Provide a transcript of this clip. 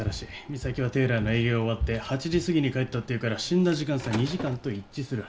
三崎はテーラーの営業が終わって８時すぎに帰ったっていうから死んだ時間差２時間と一致する。